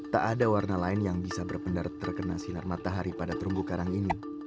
tak ada warna lain yang bisa berpendarat terkena sinar matahari pada terumbu karang ini